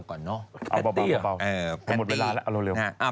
ก่อนเนาะ